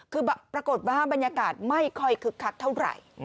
คือปรากฏว่าบรรยากาศไม่ค่อยคึกคักเท่าไหร่